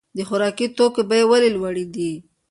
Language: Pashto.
د خوراکي توکو بیې ولې لوړې دي؟